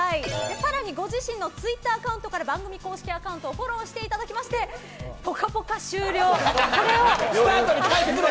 更に、ご自身のツイッターアカウントから番組公式アカウントをフォローしていただきましてぽかぽか終了。